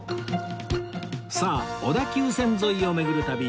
さあ小田急線沿いを巡る旅